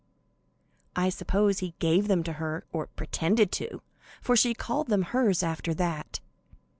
I suppose he gave them to her, or pretended to, for she called them hers after that.